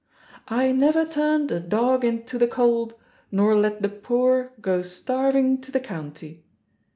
* 'I never turned a dog into the cold. Nor let the poor go starving to the County.'